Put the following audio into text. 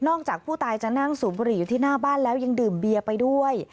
จากผู้ตายจะนั่งสูบบุหรี่อยู่ที่หน้าบ้านแล้วยังดื่มเบียร์ไปด้วย